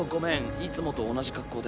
いつもと同じ格好で。